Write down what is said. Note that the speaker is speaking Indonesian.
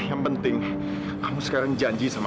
aku kalau kamu akan kuat menghadapi ini semua